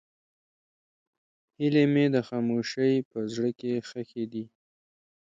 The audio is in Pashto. هیلې مې د خاموشۍ په زړه کې ښخې دي.